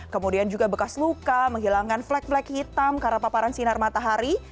kemudian juga bekas luka menghilangkan flag flag hitam karena paparan sinar matahari